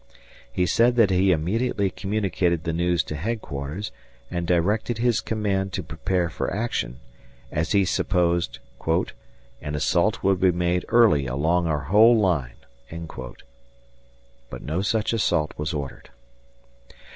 He said that he immediately communicated the news to headquarters and directed his command to prepare for action, as he supposed "an assault would be made early along our whole line." But no such assault was ordered.